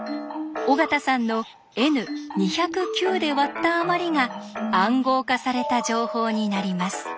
尾形さんのＮ２０９で割ったあまりが暗号化された情報になります。